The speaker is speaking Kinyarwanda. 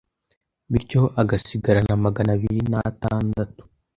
bityo agasigarana Magana abiri n’atandatu